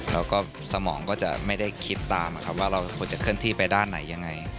แล้วก็สมองก็จะไม่ได้คิดตามว่าเราควรจะเคลื่อนที่ไปด้านไหนยังไง